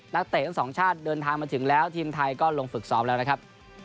เตะทั้งสองชาติเดินทางมาถึงแล้วทีมไทยก็ลงฝึกซ้อมแล้วนะครับ